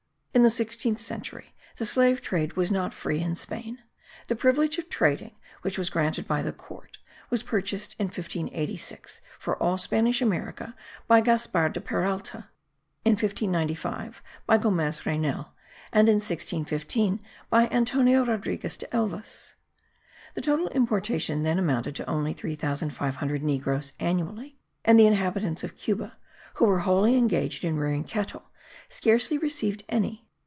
In the sixteenth century the slave trade was not free in Spain; the privilege of trading, which was granted by the Court, was purchased in 1586, for all Spanish America, by Gaspar de Peralta; in 1595, by Gomez Reynel; and in 1615, by Antonio Rodriguez de Elvas. The total importation then amounted to only 3500 negroes annually; and the inhabitants of Cuba, who were wholly engaged in rearing cattle, scarcely received any.